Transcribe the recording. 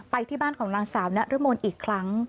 ไปที่บ้านของนางสาวนรมนอีกครั้ง